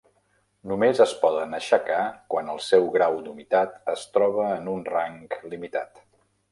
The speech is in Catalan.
Només es poden aixecar quan el seu grau d'humitat es troba en un rang limitat.